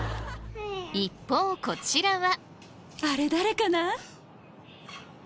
一方こちらは。